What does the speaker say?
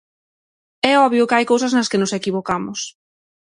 "É obvio que hai cousas nas que nos equivocamos".